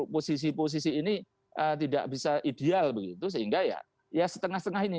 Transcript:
posisi posisi ini tidak bisa ideal begitu sehingga ya setengah setengah ini